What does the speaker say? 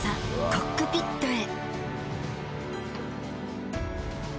コックピットへ。